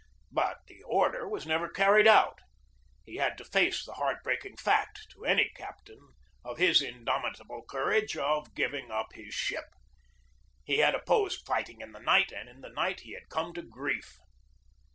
But the order was never carried out. He had to face the heart breaking fact, to any captain of his indomitable courage, of giving up his ship. He had opposed fighting in the night and in the night he had come to grief.